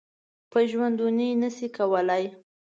په ژوندوني نه شي کولای .